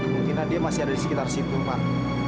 mungkin dia masih ada di sekitar situ pak